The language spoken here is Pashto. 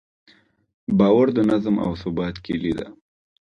باور د نظم او ثبات کیلي ده.